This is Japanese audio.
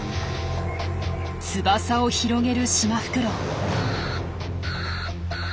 翼を広げるシマフクロウ。